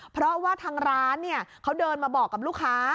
เพราะว่าทางร้านเขาเดินมาบอกกับลูกค้า